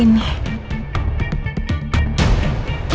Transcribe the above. semoga gak ada yang liat gue disini